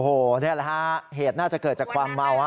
โอ้โหนี่แหละฮะเหตุน่าจะเกิดจากความเมาฮะ